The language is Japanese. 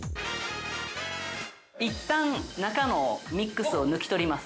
◆一旦中のミックスを抜き取ります。